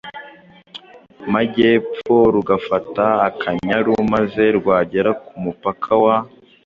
magepfo rugafata Akanyaru, maze rwagera ku mupaka wa